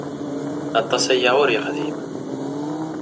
Aṭas aya ur yexdim.